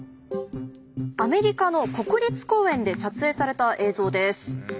アメリカの国立公園で撮影された映像です。